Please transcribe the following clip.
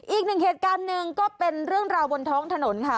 อีกหนึ่งเหตุการณ์หนึ่งก็เป็นเรื่องราวบนท้องถนนค่ะ